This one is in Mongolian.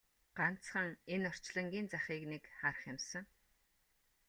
Ганцхан энэ орчлонгийн захыг нэг харах юмсан!